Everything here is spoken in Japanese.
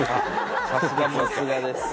さすがです。